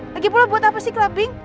lagi pula buat apa sih ke labing